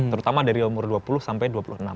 terutama dari umur dua puluh sampai dua puluh enam